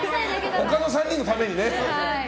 他の３人のためにね。